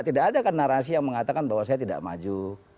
tidak ada kan narasi yang mengatakan bahwa saya tidak maju